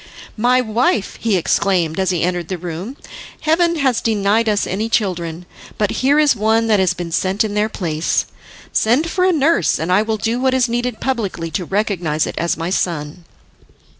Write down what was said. "My wife," he exclaimed as he entered the room, "heaven has denied us any children, but here is one that has been sent in their place. Send for a nurse, and I will do what is needful publicly to recognise it as my son."